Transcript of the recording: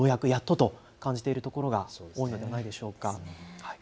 ようやくやっとと感じている所が多いのではないでしょうか。